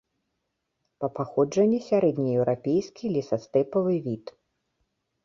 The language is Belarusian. Па паходжанні сярэднееўрапейскі лесастэпавы від.